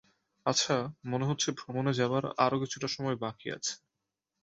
আচ্ছা, মনে হচ্ছে ভ্রমণে যাবার আরো কিছুটা সময় বাকি আছে।